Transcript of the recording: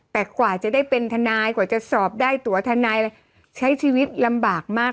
แต่กว่าจะได้เป็นทนายกว่าจะสอบได้ตัวทนายอะไรใช้ชีวิตลำบากมาก